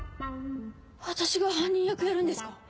私が犯人役やるんですか？